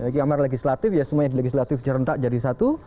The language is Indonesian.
kamar legislatif ya semua yang legislatif serentak jadi satu